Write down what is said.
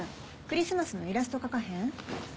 クリスマスのイラスト描かへん？